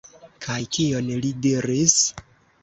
Kaj kion li diris?